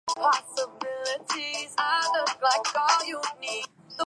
本系列游戏于一个架空世界名叫奈恩的泰姆瑞尔帝国中所发生的历史事件。